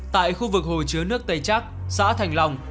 tại khu vực hồ chứa nước tây trắc xã thành long